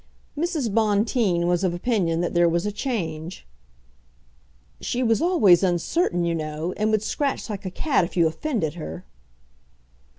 Mrs. Bonteen was of opinion that there was a change. "She was always uncertain, you know, and would scratch like a cat if you offended her."